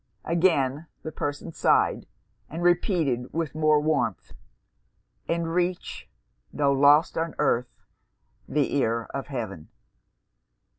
Again the person sighed, and repeated with more warmth 'And reach, tho' lost on earth the ear of heaven!'